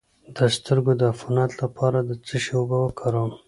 د سترګو د عفونت لپاره د څه شي اوبه وکاروم؟